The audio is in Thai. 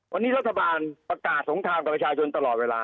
วันนี้รัฐบาลประกาศสงครามกับประชาชนตลอดเวลา